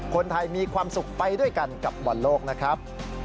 คนไทยมีความสุขไปด้วยกันกับบอลโลกนะครับ